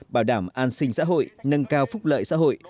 bảo đảm an sinh xã hội nâng cao phúc lợi xã hội